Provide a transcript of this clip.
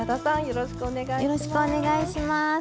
よろしくお願いします。